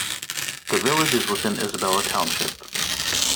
The village is within Isabella Township.